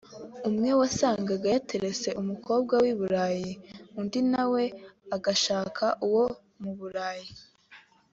umwe wasangaga yaterese umukobwa w’i Burayi undi nawe agashaka uwo mu Burayi